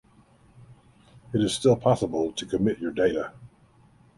It is still possible to commit your data